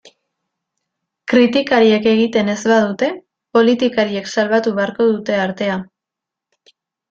Kritikariek egiten ez badute, politikariek salbatu beharko dute artea.